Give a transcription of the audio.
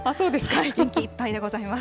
元気いっぱいでございます。